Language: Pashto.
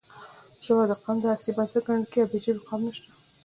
ژبه د قام د هستۍ بنسټ ګڼل کېږي او بې ژبې قام نشته.